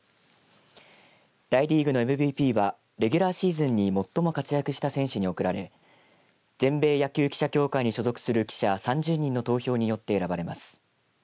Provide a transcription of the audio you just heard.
大リーグのＭＶＰはレギュラーシーズンに最も活躍した選手に贈られ全米野球記者協会に所属する記者３０人の投票によって選ばれます。